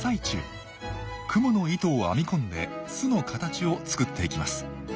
クモの糸を編み込んで巣の形を作っていきます。